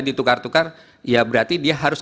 ditukar tukar ya berarti dia harus